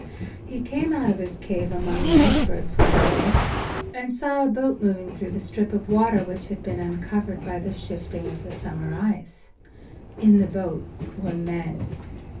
He came out of his cave among the icebergs one day and saw a boat moving through the strip of water which had been uncovered by the shifting of the summer ice. In the boat were men.